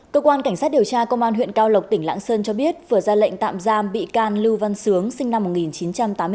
cơ quan cảnh sát điều tra công an huyện cao lộc tỉnh lạng sơn cho biết vừa ra lệnh tạm giam bị can lưu văn sướng sinh năm một nghìn chín trăm tám mươi tám